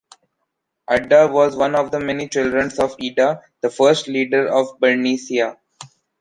Adda was one of the many children of Ida, the first leader of Bernicia.